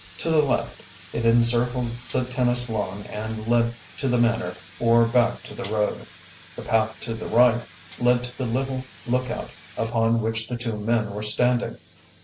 To the left it encircled the tennis lawn and led to the Manor or back to the road. The path to the right led to the little lookout upon which the two men were standing.